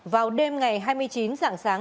vào đêm ngày hai mươi chín giảng sáng